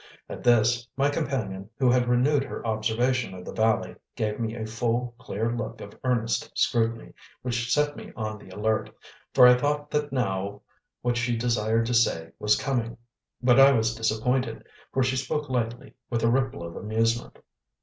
At this my companion, who had renewed her observation of the valley, gave me a full, clear look of earnest scrutiny, which set me on the alert, for I thought that now what she desired to say was coming. But I was disappointed, for she spoke lightly, with a ripple of amusement.